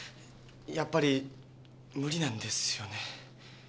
やっぱり無理なんですよね。